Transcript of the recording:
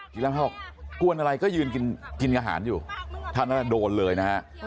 จิระพาบอกกวนอะไรก็ยืนกินกินกับอาหารอยู่ท่านภรรษาโดนเลยนะฮะ